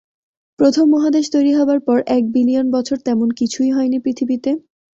প্রথম মহাদেশ তৈরি হবার পর এক বিলিয়ন বছর তেমন কিছুই হয়নি পৃথিবীতে।